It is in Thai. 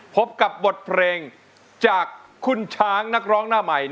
พบกับบทเพลงจากคุณช้างนักร้องหน้าใหม่